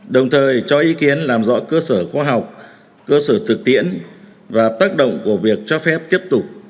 đồng thời cho ý kiến làm rõ cơ sở khoa học cơ sở thực tiễn và tác động của việc cho phép tiếp tục